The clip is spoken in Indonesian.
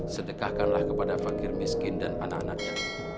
sedekahkanlah kepada fakir miskin dan anak anaknya